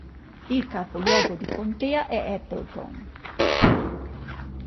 Il capoluogo di contea è Appleton.